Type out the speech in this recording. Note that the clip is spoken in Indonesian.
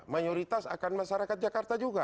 mayoritas akan masyarakat jakarta juga